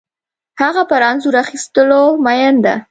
هغه پر انځور اخیستلو مین ده